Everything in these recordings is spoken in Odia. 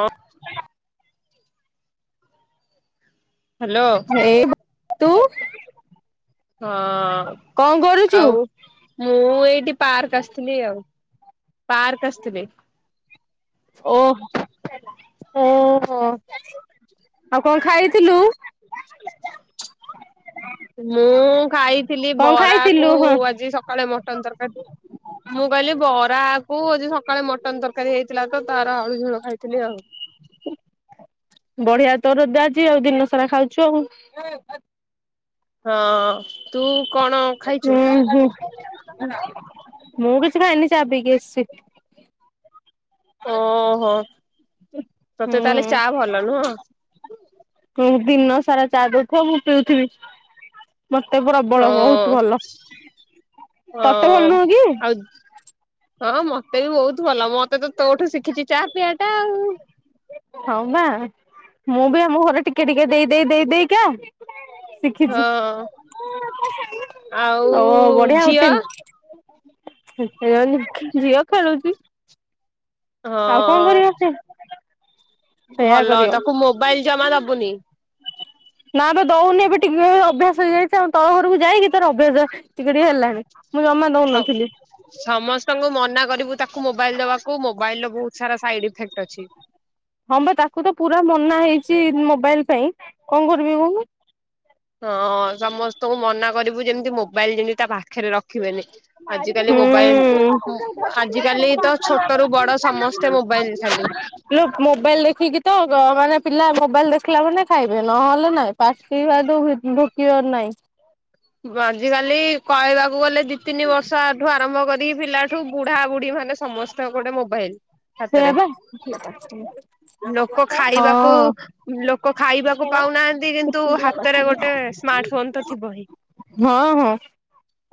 ହଁ। ହ୍ୟାଲୋ। ଏଇ ତୁ। ହଁ। କଣ କରୁଛୁ? ଆଉ ମୁଁ ଏଇଠି ପାର୍କ ଆସିଥିଲି ଆଉ। ପାର୍କ ଆସିଥିଲି। ଓହୋ ଓହୋ ଆଉ କଣ ଖାଇଥିଲୁ। ମୁଁ ଖାଇଥିଲି କଣ ବରା ଖାଇଥିଲୁ କୁ ହଁ ଆଜି ସକାଳେ ମଟନ ତରକାରୀ ମୁଁ କହିଲି ବରା କୁ ଆଜି ସକାଳେ ମଟନ ତରକାରୀ ହେଇଥିଲା ତ ତାର ଆଳୁଝୋଳ ଖାଇଥିଲି ଆଉ। ବଢିଆ ତୋର ରଜ ଆଜି ଆଉ ଦିନ ସାରା ଖାଉଛୁ ଆଉ। ହଁ ତୁ କଣ ଖାଇଛୁ ହୁଁ ହୁଁ। ମୁଁ କିଛି ଖାଇନି ଚା ପିଇକି ଆସିଛି। ହଁ ହଁ। ତତେ ତାହେଲେ ଚା ହୁଁ ଭଲ ନୁହଁ। ହଁ ଦିନ ସାରା ଚା ଦଉଥିବ ମୁଁ ପିଉଥିବି। ମତେ ହଁ ପ୍ରବଳ ବହୁତ ଭଲ। ତତେ ଭଲ ହଁ ନୁହଁ କି? ଆଉ ହଁ ମତେ ବି ବହୁତ ଭଲ ମତେ ତ ତୋଠୁ ଶିଖିଛି ଚା ପିଇଆ ଟା ଆଉ। ହଉ ନା ମୁଁ ବି ଆମ ଘରେ ଟିକେ ଟିକେ ଦେଇ ଦେଇେ ଦେଇ ଦେଇେଇକା ଶିଖିଛି ହଁ ଓ ଆଉ ବଢିଆ। [inaudible] ଝିଅ [inaudible] ଝିଅ ଖେଳୁଛି। ଆଉ କଣ ହଁ କରିବ ସେ। ସେଇୟା ଭଲ କରିବ ତାକୁ ମୋବାଇଲ ଜମା ଦବୁନି। ନା ବା ଦଉନି ଏବେ ଟିକେ ଅଭ୍ୟାସ ହେଇଯାଇଛି ଆଉ ତଳ ଘରକୁ ଯାଇକି ତାର ଅଭ୍ୟାସ ଟିକେ ଟିକେ ହେଲାଣି। ମୁଁ ଜମା ଦଉନଥିଲି ସମସ୍ତଙ୍କୁ ମନା ମନା କରିବୁ ତାକୁ ମୋବାଇଲ ଦବାକୁ ମୋବାଇଲ ର ବହୁତ ସାରା ସାଇଡ ଇଫେକ୍ଟ ଅଛି। ହଁ ପା ତାକୁ ତ ପୁରା ମନା ହେଇଛି ମୋବାଇଲ ପାଇଁ, କଣ କରିବି କଉନୁ? ହଁଅଅ ସମସ୍ତଙ୍କୁ ମନା କରିବୁ ଯେମିତି ମୋବାଇଲ ଯେମିତି ତା ପାଖ ହୁଁ ଉଁ ଆଜିକାଲି ଉଁ, ତ ଛୋଟରୁୁ ବଡ ସମସ୍ତେ ମୋବାଇଲ ଖାଲି। [inaudible] ମୋବାଇଲ୍ ଦେଖିକି ତ ମାନେ ପିଲା ମୋବାଇଲ ଦେଖିଲା ମାନେ ଖାଇବେ ନହେଲେ ନାଇଁ ପାଟି [inaudible] ଢୁକିବାର ନାଇଁ। ଆଜିକାଲି କହିବାକୁ ଗଲେ ଦି ତିନି ବର୍ଷଠୁ ଆରମ୍ଭ କରିକି ପିଲାଠୁ ବୁଢା ବୁଢୀମାନେ ସମସ୍ତଙ୍କ ଗୋଟେ ମୋବାଇଲ। ହାତରେ ସେଇଆପା, ଲୋକ ଖାଇବାକୁ ହଁଅଅ ଲୋକ ଖାଇବାକୁ ପାଉନାହାନ୍ତି କିନ୍ତୁ ହାତରେ ଗୋଟେ ସ୍ମାର୍ଟ ଫୋନ ତ ଥିବ ହି। ହଁ ହଁ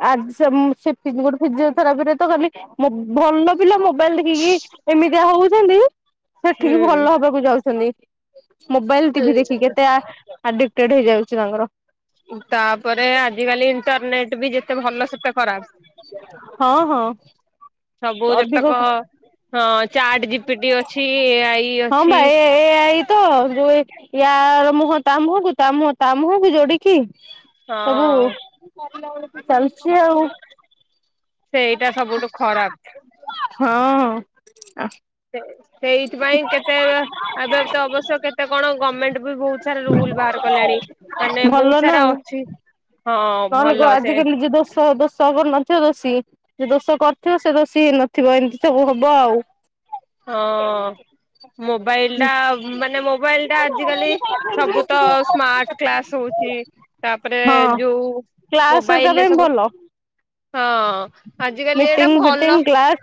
ଆଜି [inaudible] ଗୋଟେ ଫିଜିଓଥେରାପିରେ ତ ଖାଲି ମୋ ଭଲ ପିଲା ମୋ ମୋବାଇଲ ଦେଖିକି ଏମିତିଆ ହଉ [unintelligible] ସେଠିକି ହୁଁ ଭଲ ହବାକୁ ଯାଉଛନ୍ତି। ମୋବାଇଲ, ଟିଭି ଦେଖିକି କେତେ ଆଡିକ୍ଟେଡ ହେଇଯାଉଛି ତାଙ୍କର। ତାପରେ ଆଜିିକାଲି ଇଣ୍ଟରନେଟ୍ ବି ଯେତେ ଭଲ ସେତେ ଖରାପ। ହଁ ହଁ ସବୁ ଯେତେକ ଅଧିକ କ, ହଁ ଚାଟ ଜିପିଟି ଅଛି ଏଆଇ ହଁ ଅଛି ବା ଏ ଏ ଆଇ ତ ଯୋଉ ଏ ଆ ମୁ ହଁ ତା ମୁୁହଁ କୁ ତା ମୁହଁ ତା ମୁୁହଁକୁ ଯୋଡିକି ସବୁ ହଁ। ଚାଲିଛି ଆଉ ସେଇଟା ସବୁଠୁ ଖରାପ। ହଁ ଆ ସେ ସେଇଥିପାଇଁ କେତେ ଅ ଏବେ ତ ଅବଶ୍ୟ କେତେ କଣ ଗମେଣ୍ଟ୍ ବି ବହୁତ ସାରା ରୁଲ୍ ବାହାର କଲାଣି ମାନେ ଭଲ ବହୁତ ନା ସାରା ଆଉ ଅଛି। ହଁ ନହେଲେ ଭଲ କ ସେ ଆଜିିକାଲି ଯିଏ ଦୋଷ ଦୋଷ କରିନଥିବ ଦୋଷୀ, ଯେ ଦୋଷ କରିଥିବ ସେ ଦୋଷୀ ହେଇ ନଥିବ ଏମିତି ସବୁ ହବ ଆଉ। ମୋବାଇଲଟା ମାନେ ମୋବାଇଲଟା ଆଜିକାଲି ସବୁ ତ ସ୍ମାର୍ଟ କ୍ଲାସ୍ ହଉଛି ତାପରେ ହଁ ଯୋଉ କ୍ଲାସ ହେରିକା ପାଇଁ ମୋବାଇଲରେ ସବୁ। ଭଲ ହଁଅଅ, ଆଜିକାଲି ଏଇଟା ମିଟିଂ ଭଲ ଫିଟିଂ କ୍ଲାସ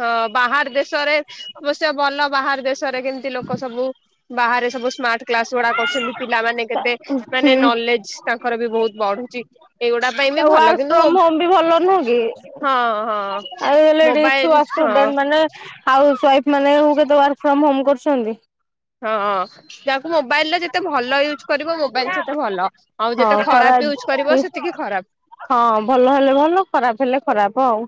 ହଁ ବାହାର୍ ଦେଶରେ। ଅବଶ୍ୟ ଭଲ ବାହାର ଦେଶରେ କେମତି ଲୋକ ସବୁ ବାହାରେ ସବୁ ସ୍ମାର୍ଟ୍ କ୍ଲାସଗୁଡା କରୁଛନ୍ତି ପିଲାମାନେ କେତେ ହୁଁ ମାନେ ନଲେଜ ତାଙ୍କର ବି ବହୁତ ବଢୁଛି। ଏଇଗୁଡା ପାଇଁ ବି ତ ଭଲ ୱାର୍କ କିନ୍ତୁ ହଁ ଫ୍ରମ୍ ହୋମ୍ ବି ଭଲ ନୁହଁ କି? ହଁ ଆଉ ଏଲେଡି ଛୁଆ ମୋବାଇଲ ହଁ ଷ୍ଟୁଡେଣ୍ଟମାନେ ହାଉସଓ୍ବାଇଫ୍ ମାନେ ହୁଁ କେତେ ୱାର୍କ ଫ୍ରମ୍ ହୋମ୍ କରୁଛନ୍ତି। ହଁଅଅ ଯାହାକୁ ମୋବାଇଲରେ ଯେତେ ଭଲ ୟୁଜ୍ ହଁ ୟୁଜ ଖରାପ କରିବ ୟୁଜ ସେତିକି ଖରାପ ହଁ ଭଲ ହେଲେ ଭଲ ଖରାପ ହେଲେ ଖରାପ ଆଉ।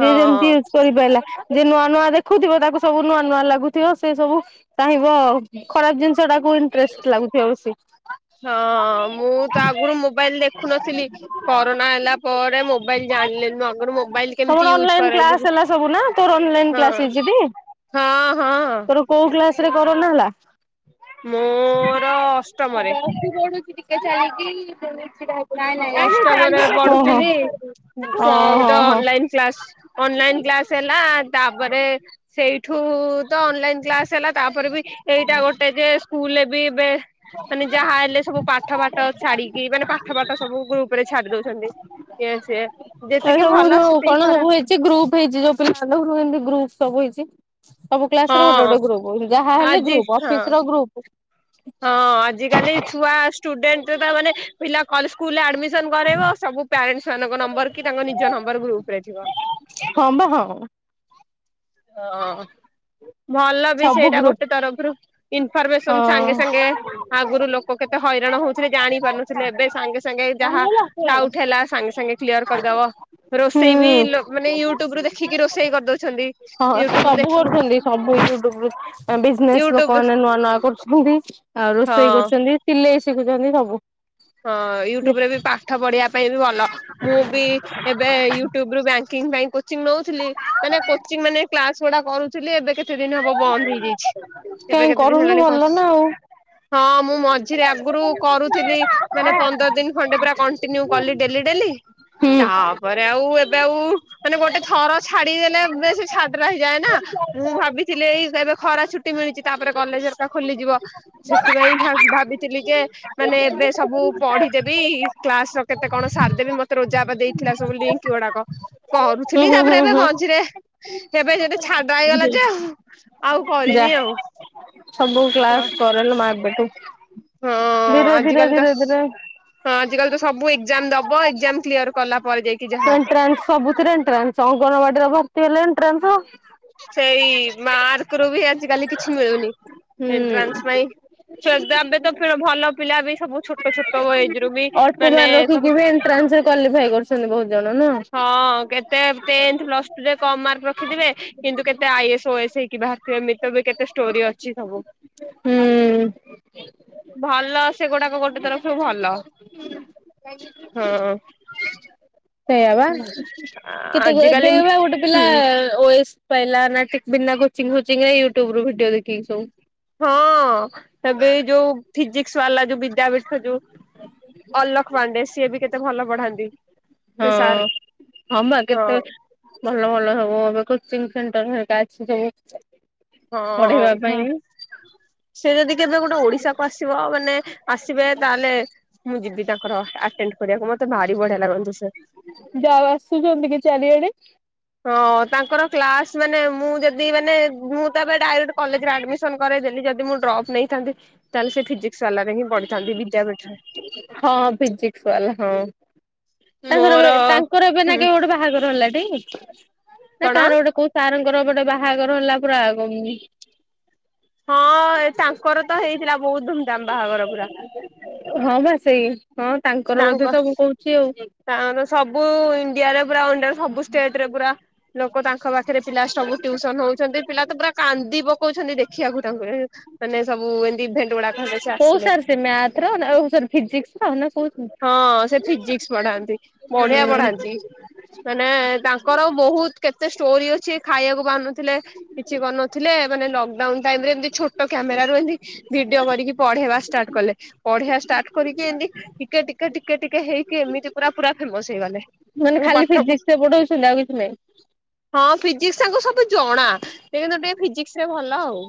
ଯିଏ ଯେମତି ୟୁଜ କରିପାଇଲା। ଯେ ନୂଆ ନୂଆ ଦେଖୁଥିବ ତାକୁ ସବୁ ନୂଆ ନୂଆ ଲାଗୁଥିବ। ସେ ସବୁ ଚାହିଁବ ଆଉ ଖରାପ ଜିନିଷ ଟାକୁ ଇଣ୍ଟରେଷ୍ଟ ଲାଗୁଥିବ ବେଶୀ। ହଁ ମୁଁ ତ ଆଗୁରୁ ମୋବାଇଲ ଦେଖୁନଥିଲି। କରୋନା ହେଲା ପରେ ମୋବାଇଲ ଜାଣିଲି ମୁଁ ଆଗରୁ ମୋବାଇଲ ତମର କେମିତି ୟୁଜ ଅନଲାଇନ କ୍ଲାସ କରନ୍ତି ବି ହେଲା ସବୁ ନା ତୋର ଅନଲାଇନ ହଁ କ୍ଲାସ ହେଇଛି ହଁ ହଁ। କ୍ଲାସ୍ ରେ କରୋନା ହେଲା? ମୋର ଅସ ମୁଁ ପ୍ଲସ ଟୁ ପଢୁ ଥି କେ ଯାଇକି ମୁଁ ହ ଅଷ୍ଟମରେ ପଢୁଥିଲି ସ ଓହୋ ତ ହୋ। ଅନଲାଇନ୍ କ୍ଲାସ୍ ଅନଲାଇନ କ୍ଲାସ୍ ହେଲା ତାପରେ ସେଇଠୁ ତ ଅନଲାଇନ୍ କ୍ଲାସ ହେଲା ତାପରେ ବି ଏଇଟା ଗୋଟେ ଯେ ସ୍କୁଲରେ ବି ଏବେ ମାନେ ଯାହା ହେଲେ ସବୁ ପାଠ ବାଠ ଛାଡିକି ମାନେ ପା ଏ ଇଏ ସିଏ ଯେତିକି ସବୁ ଭଲ ଯୋଉ ସେତିକି କଣ ସବୁ ଖରାପ ହେଇଛି ଗ୍ରୁପ୍ ହେଇଛି ଯୋଉ ପିଲା ମନଙ୍କୁ ଗ୍ରୁପ ସବୁ ହେଇଛି। ସବୁ କ୍ଲାସ୍ ର ହଁ ଗୋଟେ ଗୋଟେ ଗ୍ରୁପ୍ ଯାହାହଲେ ଆଜି ଗ୍ରୁପ୍ ହଁ ଅଫିସ୍ ର ଗ୍ରୁପ୍। ହଁ ଆଜିକାଲି ଛୁଆ ଷ୍ଟୁଡେଣ୍ଟ ତା ମାନେ ପିଲା ଖାଲି ସ୍କୁଲ ଆଡ଼ମିସ ଆଡ଼ମିସନ କରେଇବ ସବୁ ପ୍ୟାରେଣ୍ଟସ୍ ମାନଙ୍କ ନମ୍ବର କି ତାଙ୍କ ନିଜ ନମ୍ବର ଗ୍ରୁପ୍ ରେ ଥିବ। ହଁ ବା ହଁ। ହଁ। ଭଲ ବି ସବୁ ସେଇଟା ଗ୍ରୁପ ଗୋଟେ ତରଫରୁ ଇନଫର୍ମେସନ ସାଙ୍ଗେ ହଁ। ସାଙ୍ଗେ ଆଗରୁ ଲୋକ କେତେ ହଇରାଣ ହଉଥିଲେ ଜାଣି ପାରୁନଥିଲେ ଏବେ ସାଙ୍ଗେ ସାଙ୍ଗେ ଯାହା ହୁଁ ଡାଉଟ୍ ହେଲା ସାଙ୍ଗେ ସାଙ୍ଗେ କ୍ଲିୟର କରିଦବ ରୋଷେଇ ବି ଲୋ ମାନେ ୟୁଟ୍ୟୁବ ରୁ ଦେଖିକି ରୋଷେଇ କରିଦଉଛନ୍ତି। ହଁ ୟୁଟ୍ୟୁବ ରୁ ସବୁ ଦେଖିକି କରୁଛନ୍ତି ସବୁ ୟୁ ଟୁବରୁ ବିଜନେସ୍ ୟୁଟ୍ୟୁବ ଲୋକମାନେ ନୂଆ ନୂଆ କରୁଛନ୍ତି। ଆଉ ରୋଷେଇ ହଁ କରୁଛନ୍ତି ସିଲେଇ। ଶିଖୁଛନ୍ତି ସବୁ। ହଁ ୟୁଟ୍ୟୁବ୍ ରେ ବି ପାଠ ପଢିବା ପାଇଁ ବି ଭଲ। ମୁଁ ବି ଏବେ ୟୁଟ୍ୟୁବ ରୁ ବ୍ୟାଙ୍କିଙ୍ଗ୍ ପାଇଁ କୋଚିଙ୍ଗ ନଉଥିଲି ମାନେ କୋଚିଂ ମାନେ କ୍ଲାସ୍ ସେଟା କରୁଥିଲି ଏବେ କେ - କେତେ ଦିନ ହବ ବନ୍ଦ ହେଇଯାଇଛି ଏବେ କାହିଁ କେତେ ଦିନ କରୁନୁ ହେଲାଣି କ ଭଲ ନା ଆଉ ହଁ ମୁଁ ମଝ୍ ଝିରେ ଆଗରୁ କରୁଥିଲି। ମାନେ ପନ୍ଦର ଦିନ ଖଣ୍ଡେ ପୁରା କଣ୍ଟିନ୍ୟୁ କଲେ ଡେଲି ଡେଲି ହୁଁ ତାପରେ ଆଉ ଏବେ ଆଉ ମାନେ ଗୋଟେ ଥର ଛାଡିଦେଲେ ବେଶି ଛାଡ଼ରା ହେଇଯାଏ ନା ମୁଁ ଭାବିଥିଲି ଏଇ ଏବେ ଖରା ଛୁଟି ମିଳିଛି ତାପରେ କଲେଜ ହେରିକା ଖୋଲିଯିବ ସେଥିପାଇଁ ଭାବି ଭାବିଥିଲି ଯେ ମାନେ ଏବେ ସବୁ ପଢି଼ଦେବି କ୍ଲାସ୍ ର କେତେ କଣ ସାରିଦେବି ମତେ ରୋଜା ଅପା ଦେଇଥିଲା ସବୁ ଲିଙ୍କ୍ ଗୁଡାକ ହୁଁ କରୁଥିଲି ହୁଁ ତାପରେ ହୁଁ ଏବେ ହୁଁ। ମଝିରେ ଏବେ ଯଦି ଛାଡ଼ରା ହେଇଗଲା ଯେ ଆଉ ଯା କରିନି ଆଉ ସବୁ କ୍ଲାସ୍ କରଲୋ ମା ଏବେଠୁ। ହଁ ଧୀରେ ଧୀରେ ଆଜିିକାଲି ତ ଧୀରେ ଧୀରେ ହଁ ଆଜିକାଲି ତ ସବୁ ଏକ୍ ଏକ୍ଜାମ୍ ଦବ ଏକ୍ଜାମ କ୍ଲିୟର୍ କଲା ପରେ ଯାଇକି ଯାହା ଏଣ୍ଟ୍ରାନ୍ସ ସବୁଥିରେ ଏଣ୍ଟ୍ରାନ୍ସ ଅଙ୍ଗନବାଡିର ଭର୍ତି ହେଲେ ଏଣ୍ଟ୍ରାନ୍ସ ହୋ ସେଇ ମାର୍କରୁ ବି ଆଜିକାଲି କିଛି ମିଳୁନି। ଏଣ୍ଟ୍ରାନ୍ସ ହୁଁ ପାଇଁ [inaudible] ତ ଭଲ ପିଲା ବି ସବୁ ଛୋଟ ଛୋଟ ଏଜ୍ ଅଳ୍ପ ମାର୍କ ରଖିକି ବି ଏଣ୍ଟ୍ରାନ୍ସ କ୍ଵାଲିଫାଇ କରୁଛନ୍ତି ବହୁତ ଜଣ ନୁହଁ। ହଁ। କେତେ ଟେନ୍ଥ ପ୍ଲସ ଟୁ ରେ କମ୍ ମାର୍କ ରଖିଥିବେ କିନ୍ତୁ କେତେ I A S O A S ହେଇକି ବାହାରିଥିବେ [inaudible] କେତେ ଷ୍ଟୋରି ଅଛି ସବୁ ହୁଁ ଭଲ ସେଗୁଡାକ ଗୋଟେ ତରଫରୁ ଭଲ ହଁ। ସେଇଆ ବା କେତେ ଗୁର ଆଜିକାଲି ସେଇ ଭଳିଆ ଗୋଟେ ପିଲା ହୁଁ ଓଏସ୍ ପାଇଲା ନା କି ବିନା କୋଚିଙ୍ଗ୍ ଫୋଚିଙ୍ଗ୍ ରେ ୟୁଟ୍ୟୁବ ରୁ ଭିଡିଓ ଦେଖିକି ସବୁ ହଁ ଏବେ ଯୋଉ ଫିଜିକ୍ସ କ୍ସ ବାଲା ଯୋଉ ବିଦ୍ୟାପୀଠ ଯୋଉ ଅଲ୍ଲୋକ ପାଣ୍ଡେ ସିଏ ବି କେତେ ଭଲ ପଢାନ୍ତି। ସେ ସାର୍ ହଁ ହଁ ପା କେତେ ଭଲ ଭଲ ହବ ଏବେ କୋଶ୍ଚିନ୍ ସେଣ୍ଟର ହରିକା ଅଛି ସବୁ। ହଁ ପଢେଇବା ହୁଁ ପାଇଁ। ସେ ଯଦି କେବେ ଗୋଟେ ଓଡିଶାକୁ ଆସିବ ମାନେ ଆସିବେ ତାହେଲେ ମୁଁ ଯିବି ତାଙ୍କର ଆଟେଣ୍ଡ କରିବାକୁ ମତେ ଭାରି ବଢିଆ ଲାଗନ୍ତି ସେ। ଯା ଆସୁଚନ୍ତି କି ଚାରିଆଡେ। ହଁ ତାଙ୍କର କ୍ଲାସ ମାନେ ମୁଁ ଯେତିକି ମାନେ ମୁଁ ତ ଏବେ ଡାଇରେକ୍ଟ କଲେଜରେ ଆଡମିସନ କରେଇ ଦେଲି ଯଦି ମୁଁ ଡ୍ରପ୍ ନେଇଥାନ୍ତି ତାହେଲେ ସେ ଫିଜିକ୍ସ ବାଲା ରେ ହିଁ ପଢିଥାନ୍ତି ବିଦ୍ୟାପୀଠରେ। ହଁ ଫିଜିକ୍ସ ବାଲା ହଁ। ତାଙ୍କର ମୋର ଏ ତାଙ୍କର ଏବେ ନା ହୁଁ କେବେ ଗୋଟେ ବାହାଘର ହେଲା ଟି ନା କଣ କାହାର ଗୋଟେ କୋଉ ସାରଙ୍କ ର ଗୋଟେ ବାହାଘର ହେଲା ପୁରା ଗୁ ହଁ ତାଙ୍କର ତ ହେଇ ଥିଲା ବହୁତ ଧୁମଧାମ ବାହାଘର। ପୁରା। ହଁ ବା ସେଇ। ହଁ ତାଙ୍କର ତାଙ୍କ ବୋଧେ ସବୁ କହୁଛି ଆଉ। ତାଙ୍କର ସବୁ ଇଣ୍ଡିଆରେ ରାଅଣ୍ଡ ସବୁ ଷ୍ଟେଟ୍ ରେ ପୁରା ଲୋକ ତାଙ୍କ ପାଖରେ ପିଲା ସବୁ ଟ୍ୟୁସନ ହଉଛନ୍ତି। ପିଲା ତ ପୁରା କାନ୍ଦି ପକଉଛନ୍ତି ଦେଖିବାକୁ ତାଙ୍କୁ ମାନେ ସବୁ ଏ କୋଉ ସାର୍ ସେ ମ୍ୟାଥ ର ନା ଓ ସରି ଫିଜିକ୍ସ ର ନା କୋଉ ହଁ ସେ ଫିଜିକ୍ସ ପଢାନ୍ତି। ବଢିଆ ପଢାନ୍ତି। ମାନେ ତାଙ୍କର ବହୁତ କେତେ ଷ୍ଟୋରି ଅଛି ଖାଇବାକୁ ପାଉନ ନଥିଲେ କିଛି କରି ନଥିଲେ। ମାନେ ଲକଡାଉନ୍ ଟାଇମରେ ଏମିତି ଛୋ ଟ କ୍ୟାମେରା ରୁ ଏମିତି ଭିଡିଓ କରିକି ପଢେଇବା ଷ୍ଟାର୍ଟ କଲେ। ପଢେଇବା ଷ୍ଟାର୍ଟ କରିକି ଏମତିି ଟିକେ ଟିକେ ଟିକେ ଟିକେ ହେଇକି ଏମିତି ପୁରା ପୁରା ଫେମସ ହେଇଗଲେ। ମାନେ ତାଙ୍କ ଖାଲି ପାଠ ଫିଜିକ୍ସ ସେ ପଢଉଛନ୍ତି ଆଉ କିଛି ନାହିଁ। ହଁ ଫିଜିକ୍ସ ତାଙ୍କୁ ସବୁ ଜଣା। ସେ କିନ୍ତୁ ଟିକେ ଫିଜିକ୍ସ ରେ ଭଲ ଆଉ।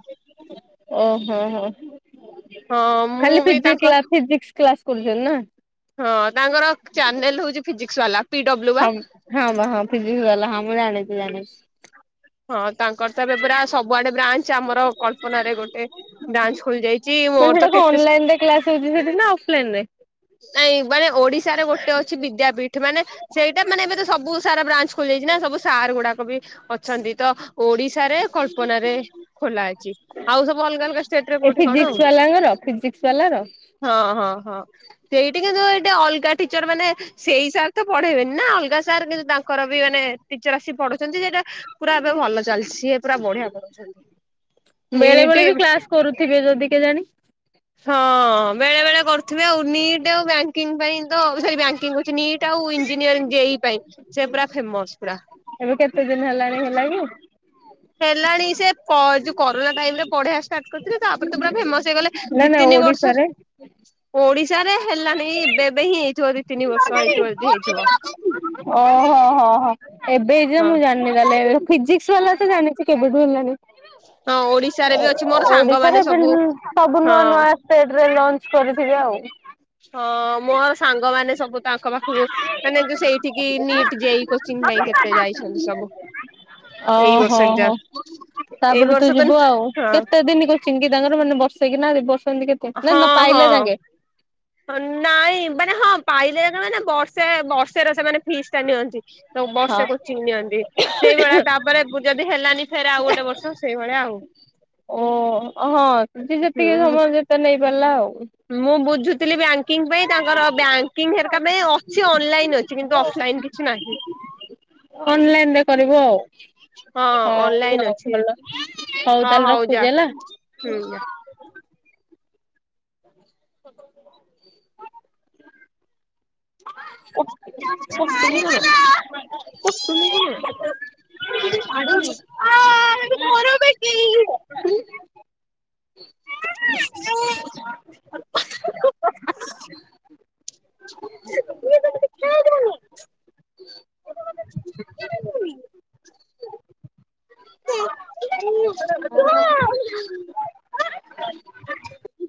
ଓ ହୋ ହୋ। ହଁ ମୁଁ ଖାଲି ବି ଫିିଜିକ୍ସ ତାଙ୍କ କ୍ଲାସ ଫିଜିକ୍ସ କ୍ଲାସ କରୁଛନ୍ତି ନା। ହଁ ତାଙ୍କର ଚ୍ୟାନେଲ ହଉଛି ଫିଜି ୱାଲା। [unintelligible] ହଁ ମୁଁ ଜାଣିଛି ଜାଣିଛି। ହଁ ତାଙ୍କର ଏବେ ପୁରା ସବୁଆଡେ ବ୍ରାଞ୍ଚ ଆମର କଳ୍ପନାରେରେ ଗୋଟେ ବ୍ରାଞ୍ଚ ଖୋଲି ଯାଇଛି ମାନେ ମୋର ସେଟା ତ କଣ କେତେ ଅନଲାଇନ ରେ କ୍ଲାସ ହଉଛି ସେଠି ନା ଅଫଲାଇନ ରେ? ନାଇଁ ମାନେ ଓଡି ଶା ରେ ଗୋଟେ ଅଛି ବିଦ୍ୟାପୀଠ ମାନେ ସେଇଟା ମାନେ ଏବେ ତ ସବୁ ସାର ବ୍ରାଞ୍ଚ ଖୋଲିଯାଇଛି ନା ସବୁ ସାର ଗୁଡା। [unintelligible] ଅଛନ୍ତି ତ ଓଡିଶାରେ କଳ୍ପନା ରେ ଖୋଲା ହେଇଛି। ଆଉ ସବୁ ଅଲଗା ଅଲଗା ଷ୍ଟେଟରେ ଏ କୋଉଠି କଣ ଫିଜିକ୍ସ ଆଉ ବାଲାଙ୍କର ଫିଜିକ୍ସ ବାଲାର ହଁ ହଁ ହଁ। ସେଇଠି କିନ୍ତୁ ଏଇଟେ ଅଲଗା ଟିଚର ମାନେ ସେଇ ହିସାବରେ ତ ପଢେଇବେ। ନା ଅଲଗା ସାର୍ କିନ୍ତୁ ତାଙ୍କର ବି ମାନେ ଟିଚର ଆସି ପଢଉଛନ୍ତି ସେଟା ପୁରା ଏବେ ଭଲ ଚାଲିଛି। ସିଏ ପୁରା ବଢିଆ କରୁଛନ୍ତି। ବେଳେ ବେଳେ ବି ନିଟ୍, କ୍ଲାସ କରୁଥିବେ ଯଦି କେଜାଣି। ହଁ ବେଳେ ବଳେ କର ଥିବେ ଆଉ ନିଟ୍ ଆଉ ବ୍ୟାଙ୍କିଙ୍ଗ ପାଇଁ ତ ସେ ବ୍ୟାଙ୍କିଙ୍ଗ କହୁଛି ନିଟ୍ ଆଉ ଇନ୍ ଇଞ୍ଜିନିୟରିଙ୍ଗ, ଜେଇ ପାଇଁ ସେ ପୁରା ଫେମସ ପୁରା। ଏବେ କେତେ ଦିନ [unintelligible] [inaudible] ହେଲାଣି ସେ କ କରୋନା ଟାଇମ ରେ ପଢେଇବା ଷ୍ଟାର୍ଟ କରିଥିଲେ ତାପରେ ତ ପୁରା ଫେମସ ସେ କହିଲେ ନା ଦି ନା ତିନି ବର୍ଷ ଓଡିଶାରେ ଓଡିଶ ଓଡ଼ିଶାରେ ହେଲାଣି ଏବେ ଏବେ ହିଁ ହେଇଥିବ ଯଦି ତିନି ବର୍ଷ ହେଇଥିବ ହେଇଥିବ [unintelligible] ଓହୋ ହଁ ହଁ ଏବେ ଯେ ହଁ। ମୁଁ ଜାଣିନି ତାହେଲେ ଏବେ ଫିଜିକ୍ସ ବାଲା ତ ଜାଣିଛେ କେବେୁଠୁ ହେଲାନି ହଁ ଓଡିଶାରେ ବି ଅଛି ମୋର ସାଙ୍ଗମାନେ ଓଡିଶାରେ ଏବେ ସବୁ ସବୁ ହଁ ନୂଆ ନୂଆ ଷ୍ଟେଟ୍ ରେ ଲଞ୍ଚ କରିିଥିବେ ଆଉ ହଁ ମୋର ସାଙ୍ଗମାନେ ସବୁ ତାଙ୍କ ପାଖକୁ ମାନେ ଯୋଉ ସେଇଠିକି ନିଟ୍ ଜେଇ କୋଚିଂ ପାଇଁ କେତେ ଯାଇଛନ୍ତି ସବୁ ଏଇ ଓହୋ ବର୍ଷ ହୋ ହୋ ଏକ୍ଜାମ ଏଇ ତାପରେ ତୁ ବର୍ଷ ତ ଯିବୁ ଆଉ କେତେ ଦିନ କଚିଂ ତାଙ୍କର ମାନେ ବର୍ଷେଇକି ନା ଦେବି ହଁ ହଁ ନାଇଁ ମାନେ ହଁ ପାଇଲେ- ନା ନା ବର୍ଷେ ବର୍ଷେ ର ସେମାନେ ଫିସ୍ ଟା ନିଅନ୍ତି ହଁ। ବର୍ଷେ କୋଚିଂ ନିଅନ୍ତି ସେଇଭଳିଆ ତାପରେ ଯଦି ହେଲାନି ଫେର ଆଉ ଗୋଟେ ବର୍ଷ ସେଇଭଳିଆ ଆଉ ହଁ। ଓ ହଁ ଯିଏ ଯେତିକି ହୁଁ ସମୟ ଯେତେ ନେଇ ଗଲା ଆଉ। ମୁଁ ବୁଝୁ ଥିଲି ବ୍ୟାଙ୍କ୍ ବ୍ୟାଙ୍କିଙ୍ଗ ପାଇଁ ତାଙ୍କର ବ୍ୟାଙ୍କିଙ୍ଗ ହେର କାମେଇ ଅଛି ଅନଲାଇନ୍ ଅଛି। ଛି କିନ୍ତୁ ଅଫଲାଇନ୍ କିଛି ନାହିଁ। ଅନଲାଇନ୍ ରେ କରିବୁ ଆଉ। ହଁ ହଉ ଅନଲାଇନ ଆଉ ଅଛି ଭଲ ହଉ ହଁ ତାହେଲେ ହଉ ଯା ରଖୁଚି ହେଲା। ହୁଁ ଯା [inaudible] [inaudible] [inaudible] [inaudible] [inaudible]